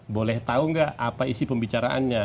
boleh tahu nggak apa isi pembicaraannya